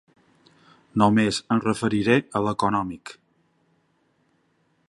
Només em referiré a l’econòmic.